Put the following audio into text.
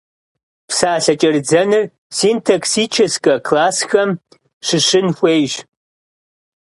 Псалъэ кӏэрыдзэныр синтаксическэ классхэм щыщын хуейщ.